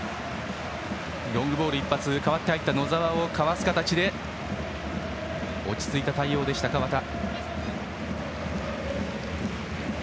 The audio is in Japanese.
ロングボール一発代わって入った野澤をかわす形で落ち着いた対応でした、河田。